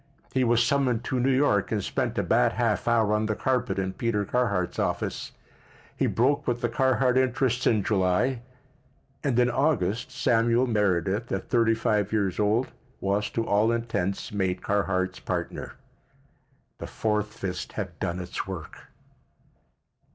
He was summoned to New York and spent a bad half hour on the carpet in Peter Carhart's office. He broke with the Carhart interests in July, and in August Samuel Meredith, at thirty five years old, was, to all intents, made Carhart's partner. The fourth fist had done its work.